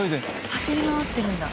走り回ってるんだ。